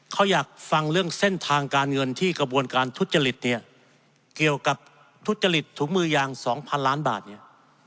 เขาอยากฟังเรื่องเส้นทางการเงินที่กระบวนการทุจริตเนี่ยเกี่ยวกับทุจริตถุงมือยาง๒๐๐ล้านบาทเนี่ย